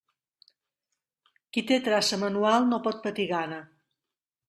Qui té traça manual no pot patir gana.